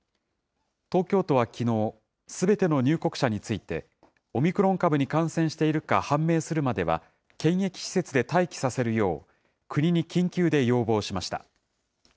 東京都はきのう、すべての入国者について、オミクロン株に感染しているか判明するまでは、検疫施設で待機させるよう、国に緊急で要望しました。